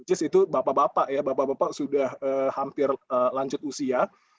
which itu bapak bapak ya bapak bapak sudah hampir lanjut usia